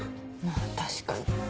まあ確かに。